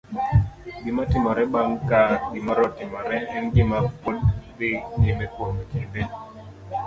Gima timore bang' ka gimoro otimore, en gima pod dhi nyime kuom kinde.